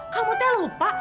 kamu teh lupa